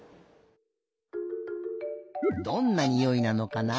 どんなにおいなのかな？